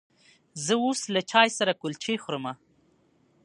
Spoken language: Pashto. زه اوس له چای سره کلچې خورمه.